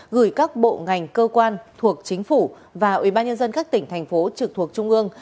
gửi các bộ ngành cơ quan thuộc chính phủ và ủy ban nhân dân các tỉnh thành phố trực thuộc trung ương